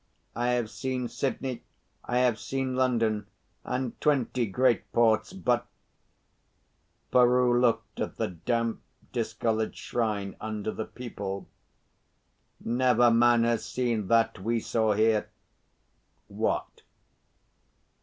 I have seen Sydney, I have seen London, and twenty great ports, but," Peroo looked at the damp, discoloured shrine under the peepul "never man has seen that we saw here." "What?"